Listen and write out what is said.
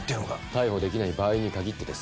逮捕できない場合に限ってです。